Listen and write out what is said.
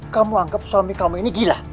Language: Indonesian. kamu anggap suami kamu ini gila